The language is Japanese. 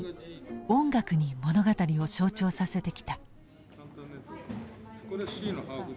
音楽に物語を象徴させてきた。